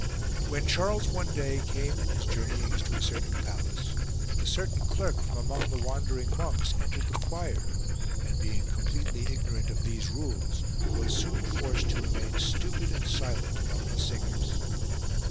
When Charles one day came in his journeyings to a certain palace, a certain clerk from among the wandering monks entered the choir and being com pletely ignorant of these rules was soon forced to remain stupid and silent among the singers.